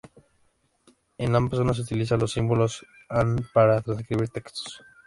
En ambas zonas se utilizan los símbolos han para transcribir textos.